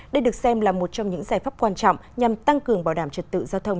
đây được xem là một trong những giải pháp quan trọng nhằm tăng cường bảo đảm trật tự giao thông